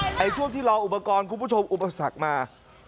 ในช่วงที่รออุปกรณ์คุณผู้ชมอุปสรรคมา